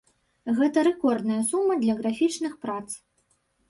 Гэта рэкордная сума для графічных прац.